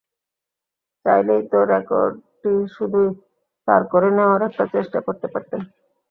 চাইলেই তো রেকর্ডটি শুধুই তাঁর করে নেওয়ার একটা চেষ্টা করতে পারতেন।